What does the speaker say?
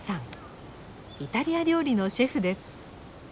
イタリア料理のシェフです。